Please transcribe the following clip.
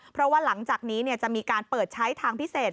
เพราะว่าหลังจากนี้จะมีการเปิดใช้ทางพิเศษ